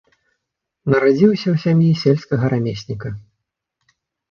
Нарадзіўся ў сям'і сельскага рамесніка.